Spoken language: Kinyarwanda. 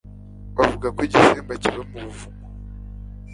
Bavuga ko igisimba kiba mu buvumo.